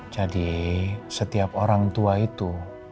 jadi setiap orang tua itu